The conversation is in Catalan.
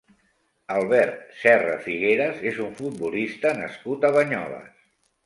Albert Serra Figueras és un futbolista nascut a Banyoles.